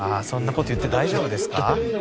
そんな事言って大丈夫ですか？